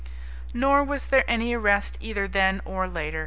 Nor was there any arrest either then or later.